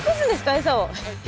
エサを。